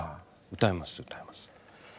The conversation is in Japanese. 歌います歌います。